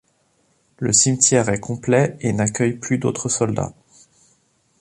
Le cimetière est complet et n'accueille plus d'autres soldats.